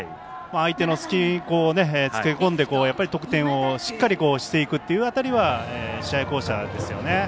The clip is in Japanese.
相手の隙に付け込んでやっぱり得点をしっかりしていくという辺りは試合巧者ですよね。